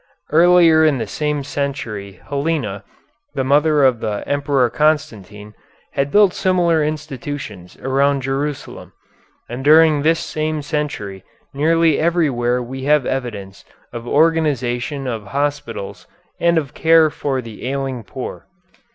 Earlier in the same century Helena, the mother of the Emperor Constantine, had built similar institutions around Jerusalem, and during this same century nearly everywhere we have evidence of organization of hospitals and of care for the ailing poor.